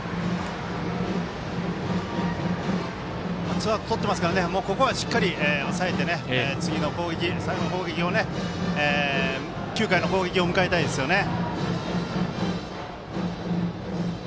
ツーアウトとっていますからここは、しっかり抑えて次の攻撃９回の攻撃を迎えたいですね。